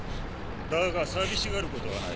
だが寂しがることはない。